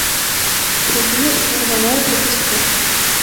Цябе знерваваў гэты сход.